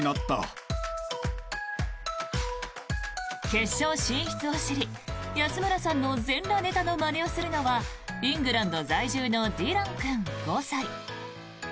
決勝進出を知り安村さんの全裸ネタをまねするのはイングランド在住のディラン君、５歳。